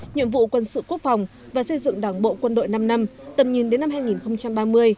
nhiệm vụ quân sự quốc phòng và xây dựng đảng bộ quân đội năm năm tầm nhìn đến năm hai nghìn ba mươi